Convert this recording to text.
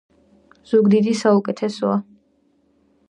ზუგდიდი საუკეთესოა